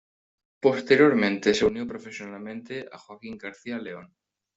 Posteriormente se unió profesionalmente a Joaquín García León.